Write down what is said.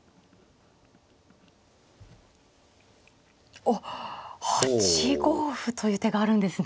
おっ８五歩という手があるんですね。